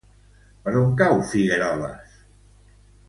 Per on cau Figueroles?